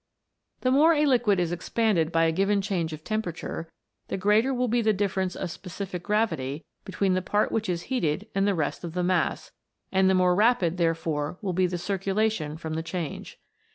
The more a liquid is expanded by a given change of temperature, the greater will be the difference of specific gravity between the part which is heated and the rest of the mass, aud the more rapid, there fore, will be the circulation from the change.